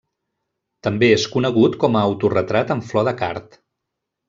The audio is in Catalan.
També és conegut com a Autoretrat amb flor de card.